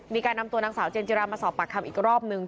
มีการนำตัวนางสาวเจนจิรามาสอบปากคำอีกรอบนึง